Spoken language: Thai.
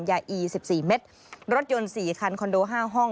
อี๑๔เม็ดรถยนต์๔คันคอนโด๕ห้อง